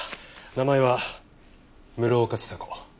名前は室岡千佐子。